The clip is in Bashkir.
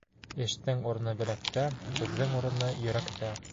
Эштең урыны беләктә, һүҙҙең урыны йөрәктә.